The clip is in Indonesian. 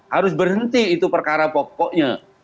harus berhenti itu perkara pokoknya